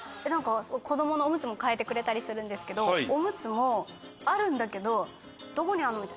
子供のオムツも替えてくれたりするんですけどオムツもあるんだけど「どこにあるの？」。